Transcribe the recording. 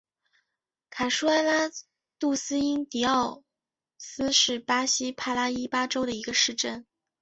卡舒埃拉杜斯因迪奥斯是巴西帕拉伊巴州的一个市镇。